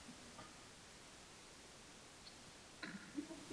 Chupa imevunjwa kwa mawe.